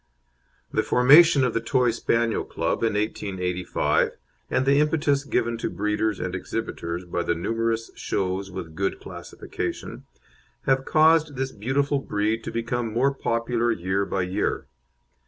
The formation of the Toy Spaniel Club in 1885, and the impetus given to breeders and exhibitors by the numerous shows with good classification, have caused this beautiful breed to become more popular year by year.